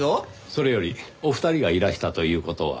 それよりお二人がいらしたという事は。